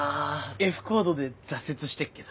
Ｆコードで挫折してっけど。